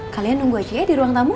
kalian tunggu aja ya di ruang tamu